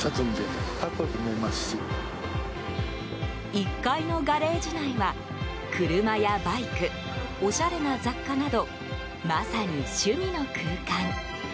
１階のガレージ内は車やバイク、おしゃれな雑貨などまさに、趣味の空間。